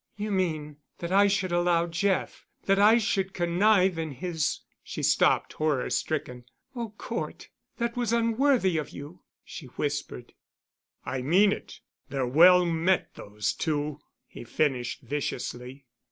"You mean that I should allow Jeff—that I should connive in his——" She stopped, horror stricken. "Oh, Cort, that was unworthy of you," she whispered. "I mean it. They're well met—those two," he finished viciously.